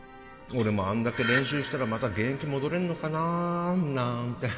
俺もあんだけ練習したらまた現役戻れんのかななんて